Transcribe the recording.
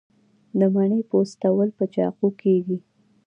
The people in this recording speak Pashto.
د مڼې پوستول په چاقو کیږي.